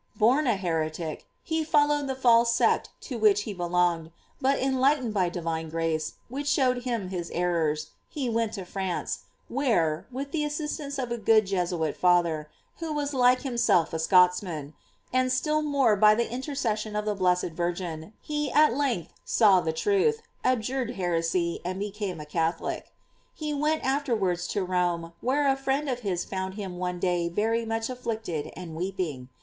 Born a heretic, he 48 GLOBIES OP MARY. followed the false sect to which he belonged; but enlightened by divine grace, which showed him his errors, he went to France, where, with the assistance of a good Jesuit father, who was like himself a Scotchman, and still more by the intercession of the blessed Virgin, he at length saw the truth, abjured heresy, and became a Catholic. He went afterwards to Rome, where a friend of his found him one day very much afflicted, and weeping.